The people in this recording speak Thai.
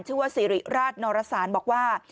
ชื่อว่าสิริราชนรสารบอกว่า